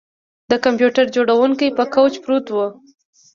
د کمپیوټر جوړونکی په کوچ پروت و